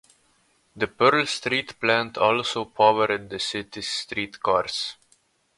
The Pearl Street plant also powered the city's street cars.